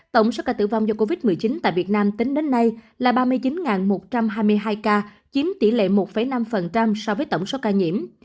tổng số ca tử vong do covid một mươi chín tại việt nam tính đến nay là ba mươi chín một trăm hai mươi hai ca chiếm tỷ lệ một năm so với tổng số ca nhiễm